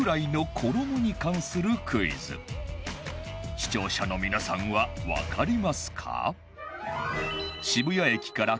視聴者の皆さんはわかりますか？